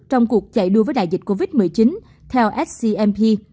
trong cuộc chạy đua với đại dịch covid một mươi chín theo scmp